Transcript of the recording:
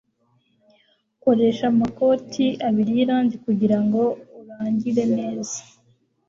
Koresha amakoti abiri y irangi kugirango urangire neza